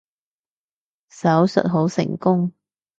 手術好成功